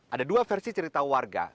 ada dua versi cerita warga